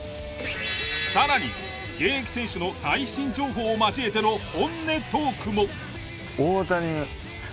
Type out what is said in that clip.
更に現役選手の最新情報を交えての本音トークも。